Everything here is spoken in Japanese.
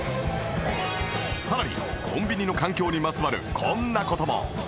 さらにコンビニの環境にまつわるこんな事も